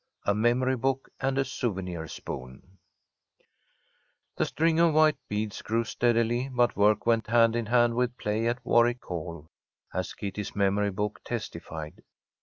A MEMORY BOOK AND A SOUVENIR SPOON THE string of white beads grew steadily, but work went hand in hand with play at Warwick Hall, as Kitty's memory book testified.